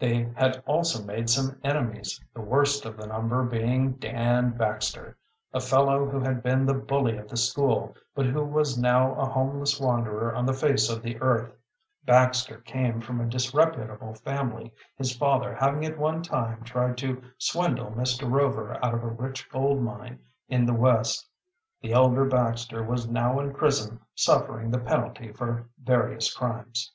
They had also made some enemies, the worst of the number being Dan Baxter, a fellow who had been the bully of the school, but who was now a homeless wanderer on the face of the earth. Baxter came from a disreputable family, his father having at one time tried to swindle Mr. Rover out of a rich gold mine in the West. The elder Baxter was now in prison suffering the penalty for various crimes.